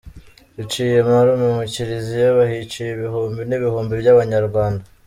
Biciye marume mu kiliziya, bahiciye ibihumbi n’ibihumbi by’Abanyarwanda.